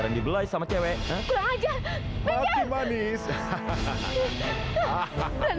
rengsek lu sialan